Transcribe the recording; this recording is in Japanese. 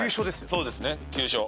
そうですね急所。